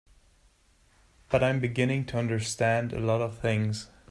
But I'm beginning to understand a lot of things.